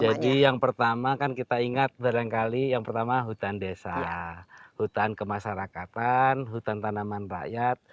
jadi yang pertama kan kita ingat beran kali yang pertama hutan desa hutan kemasyarakatan hutan tanaman rakyat